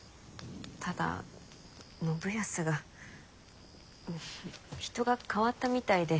ただ信康が人が変わったみたいで。